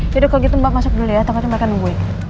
kalau gitu mbak masuk dulu ya tempatnya mereka nungguin